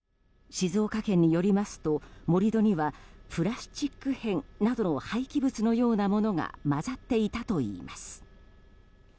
静岡県によりますと、盛り土にはプラスチック片などの廃棄物のようなものが混ざっていたといいます。